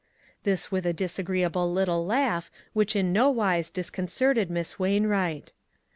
This with a disagreeable little laugh which in no wise disconcerted Miss Wainwright.